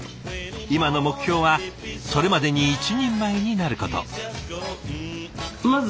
今の目標はそれまでに一人前になること。